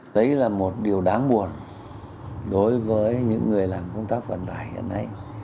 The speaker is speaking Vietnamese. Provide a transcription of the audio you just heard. đấy là một điều đáng buồn đối với những người làm công tác vận tải hiện nay